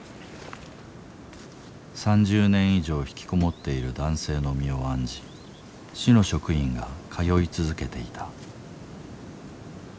３０年以上ひきこもっている男性の身を案じ市の職員が通い続けていた。